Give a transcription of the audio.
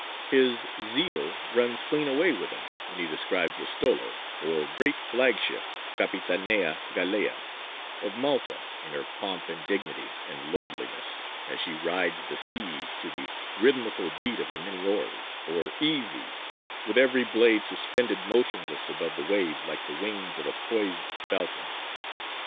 His zeal runs clean away with him when he describes a stolo, or great flagship (capitanea galea) of Malta in her pomp and dignity and lordliness, as she rides the seas to the rhythmical beat of her many oars, or "easies" with every blade suspended motionless above the waves like the wings of a poised falcon.